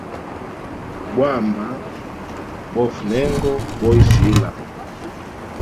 Bwamba bofa nengo boisila.